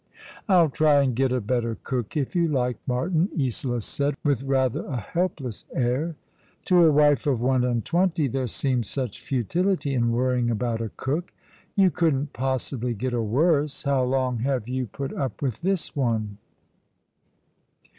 " I'll try and get a better cook, if you like, Martin," Isola said, with rather a helpless air. To a wife of one and twenty there seems such futility in worrying about a cook. " Ygtu couldn't possibly get a worse. How long Lave you put up with this one